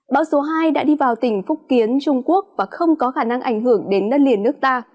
bão số hai đã đi vào tỉnh phúc kiến trung quốc và không có khả năng ảnh hưởng đến đất liền nước ta